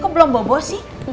kok belum bobo sih